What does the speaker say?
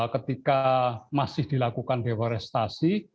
ketika masih dilakukan deforestasi